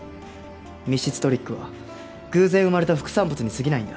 密室トリックは偶然生まれた副産物にすぎないんだ。